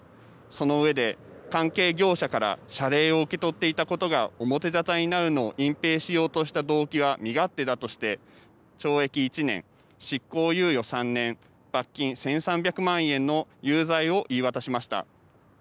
そのうえで関係業者から謝礼を受け取っていたことが表沙汰になるのを隠蔽しようとした動機は身勝手だとして懲役１年、執行猶予３年、罰金１３００万円の有罪を言い渡しました。